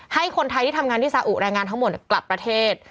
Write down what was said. ให้คนไทยที่ทำงานที่สาอุแรงงานทั้งหมดกลับประเทศ